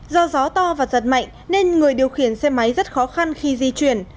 do gió to và giật mạnh nên người điều khiển xe máy rất khó khăn khi di chuyển